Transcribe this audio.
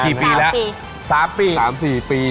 ที่ปีละ๓ปี๓๔ปี